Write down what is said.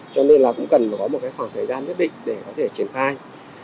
cho nên là cũng cần có khoảng thời gian nhất định để có thể triển thai